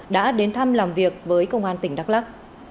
đã đến thăm làm việc với công an tỉnh đắk lắc